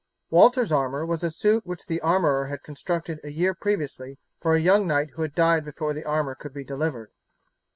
Walter's armour was a suit which the armourer had constructed a year previously for a young knight who had died before the armour could be delivered.